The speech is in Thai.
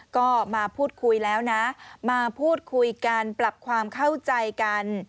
ก็มาพูดคุยแล้วนะมาพูดคุยกันปรับความเข้าใจกัน